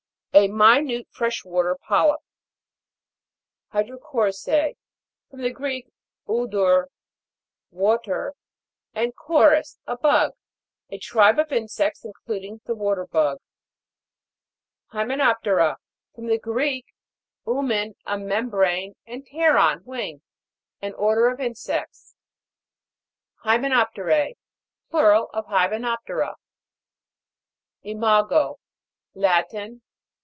A minute fresh water polyp. HY'DROCO'RIS^;. From the Greek, Wor, water, and koris, a bug. A tribe of insects, including the water bug. HYMENOP'TERA. From the Greek, 'umen, a membrane, and pteron^ wing. An order of insects. HYMENOP'TERA. Plural of Hyme noptera. IMA'GO. Latin.